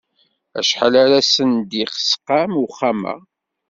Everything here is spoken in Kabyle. Acḥal ara sen-d-isqam uxxam-a?